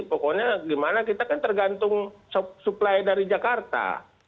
pokoknya gimana kita kan tergantung supply dari jakarta